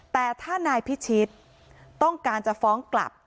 แต่ถ้านายพิชิตต้องการจะฟ้องกลับ